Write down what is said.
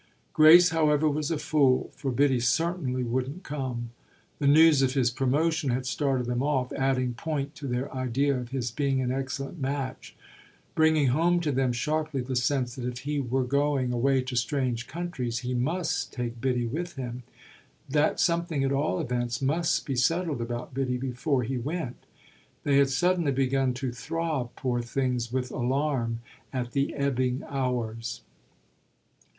Grace, however, was a fool, for Biddy certainly wouldn't come. The news of his promotion had started them off, adding point to their idea of his being an excellent match; bringing home to them sharply the sense that if he were going away to strange countries he must take Biddy with him that something at all events must be settled about Biddy before he went. They had suddenly begun to throb, poor things, with alarm at the ebbing hours.